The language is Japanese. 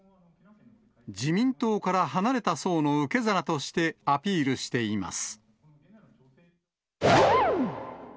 自民党から離れた層の受け皿としてアピールしています。